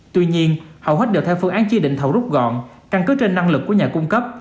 tuy nhiên hầu hết đều theo phương án chi định thầu rút gọn căn cứ trên năng lực của nhà cung cấp